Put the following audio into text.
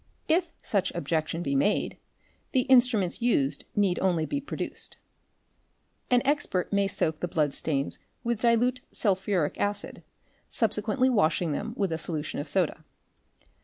If such objection be made, the instru ments used need only be produced. An expert may soak the blood stains with dilute sulphuric acid, subse quently washing them with a solution of soda.